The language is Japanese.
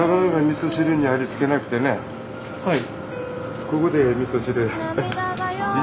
はい。